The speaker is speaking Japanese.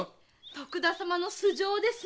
徳田様の素性です。